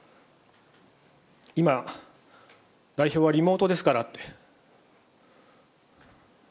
今、代表はリモートですからって。